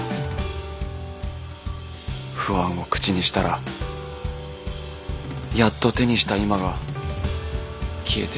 不安を口にしたらやっと手にした今が消えてしまう気がして